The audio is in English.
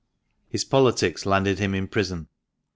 His politics landed him in prison.